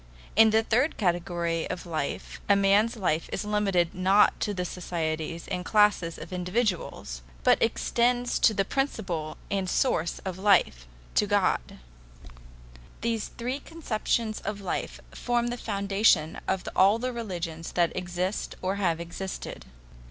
In the third theory of life a man's life is limited not to societies and classes of individuals, but extends to the principle and source of life to God. These three conceptions of life form the foundation of all the religious that exist or have existed.